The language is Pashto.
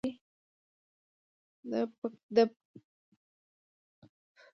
د پکتیکا په ارګون کې د څه شي نښې دي؟